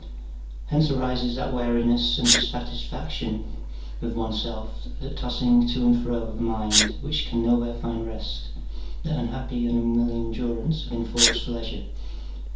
Hence arises that weariness and dissatisfaction with one self, that tossing to and fro of a mind which can nowhere find rest, that nnhappy and unwilling endurance of en forced leisure.